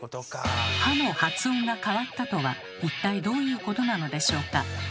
「は」の発音が変わったとは一体どういうことなのでしょうか？